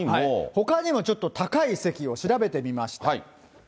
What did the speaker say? ほかにもちょっと高い席を調べてみました。